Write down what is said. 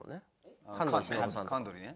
神取ね。